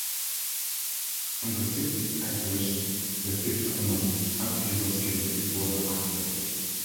On the sixth iteration, Neo, the sixth Anomaly, appears on schedule before the Architect.